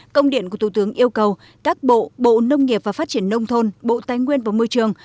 công điện của thủ tướng yêu cầu các bộ bộ nông nghiệp và phát triển nông thôn bộ tài nguyên và môi trường